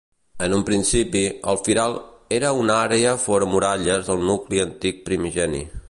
En un principi, el Firal era una àrea fora muralles del nucli antic primigeni.